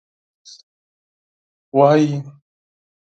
وایي.